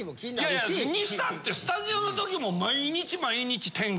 いやいや。にしたってスタジオの時も毎日毎日天気。